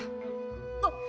あっ！